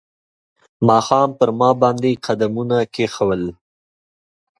ماښام پر ما باندې قدمونه کښېښول